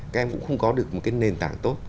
các em cũng không có được một cái nền tảng tốt